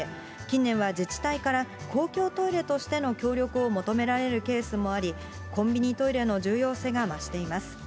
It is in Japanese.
近年は自治体から公共トイレとしての協力を求められるケースもあり、コンビニトイレの重要性が増しています。